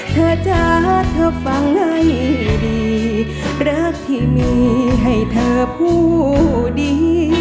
จ๊ะเธอฟังให้ดีรักที่มีให้เธอผู้ดี